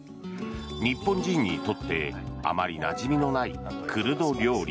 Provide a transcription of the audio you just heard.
日本人にとってあまりなじみのないクルド料理。